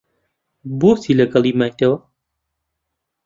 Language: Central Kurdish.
بۆچی لەگەڵی مایتەوە؟